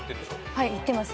はい行ってます。